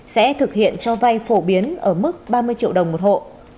sẽ thực hiện cho vay phổ biến ở mức ba mươi triệu đồng một hộ